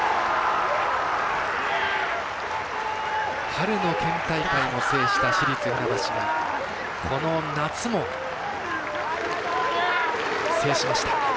春の県大会を制した市立船橋がこの夏も制しました。